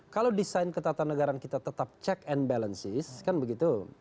kalau desain ketatanegaraan kita tetap check and balances kan begitu